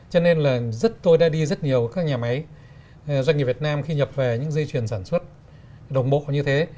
cho nên là tôi đã đi rất nhiều các nhà máy doanh nghiệp việt nam khi nhập về những dây chuyền sản xuất đồng bộ như thế